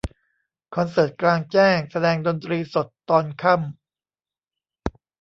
คอนเสิร์ตกลางแจ้งแสดงดนตรีสดตอนค่ำ